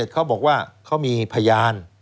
เขาบอกว่าเขามีพยาน